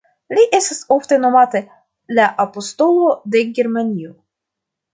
Li estas ofte nomata "la apostolo de Germanio".